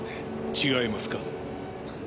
違いますか？